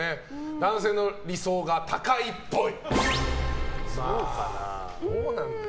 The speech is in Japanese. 男性の理想が高いっぽい。